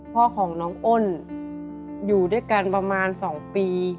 พ่อของน้องอ้นอยู่ด้วยกันประมาณ๒ปี